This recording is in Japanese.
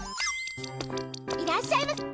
いらっしゃいませ。